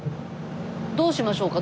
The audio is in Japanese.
どうしましょうか？